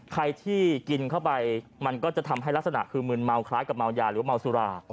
ใครที่กินเข้าไปมันก็จะทำให้ลักษณะคือมืนเมาคล้ายกับเมายาหรือว่าเมาสุรา